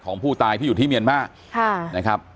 ของผู้ตายที่อยู่ที่เมียนม่ะ